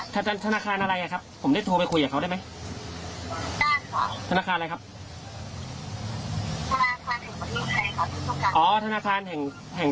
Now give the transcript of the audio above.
ทางธนาคารที่คอยได้เยื่องเมาจะถึงหรอ